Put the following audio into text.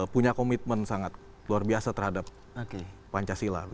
punya komitmen sangat luar biasa terhadap pancasila